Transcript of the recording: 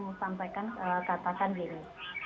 mau sampaikan katakan gini